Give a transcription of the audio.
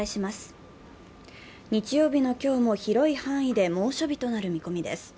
日曜日の今日も広い範囲で猛暑日となる見込みです。